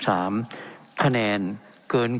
เป็นของสมาชิกสภาพภูมิแทนรัฐรนดร